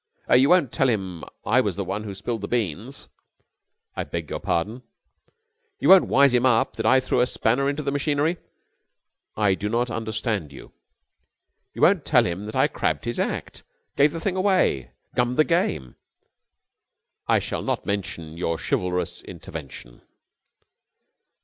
"You won't tell him that I was the one who spilled the beans?" "I beg your pardon." "You won't wise him up that I threw a spanner into the machinery?" "I do not understand you." "You won't tell him that I crabbed his act gave the thing away gummed the game?" "I shall not mention your chivalrous intervention."